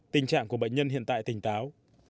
tình trạng của bệnh nhân hiện tại thành táo